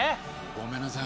ごめんなさい